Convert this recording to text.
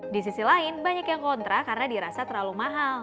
di sisi lain banyak yang kontra karena dirasa terlalu mahal